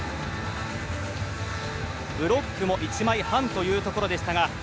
ブロックも１枚半というところでしたが。